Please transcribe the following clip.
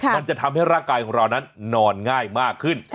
มันจะทำให้ร่างกายของเรานั้นนอนง่ายมากขึ้น